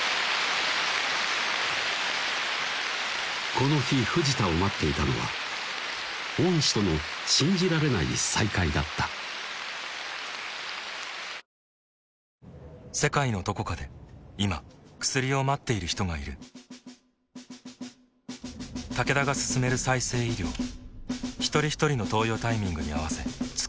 この日藤田を待っていたのは恩師との信じられない再会だった世界のどこかで今薬を待っている人がいるタケダが進める再生医療ひとりひとりの投与タイミングに合わせつくり届ける